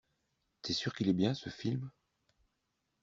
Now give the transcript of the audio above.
T'es sûr qu'il est bien ce film?